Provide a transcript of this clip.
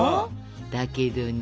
だけどね。